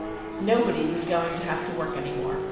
Nobody was going to have to work any more.